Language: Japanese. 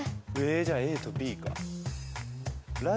じゃあＡとＢか。